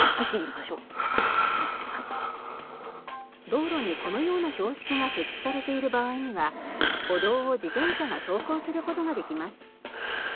道路にこのような標識が設置されている場合には歩道を自転車が走行する事ができます。